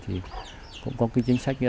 thì cũng có cái chính sách đặc biệt